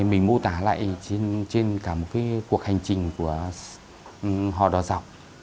mình mô tả lại trên cả một cuộc hành trình của hòa đỏ dọc